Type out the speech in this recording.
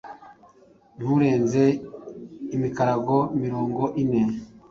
nturenze imikarago mirongo ine.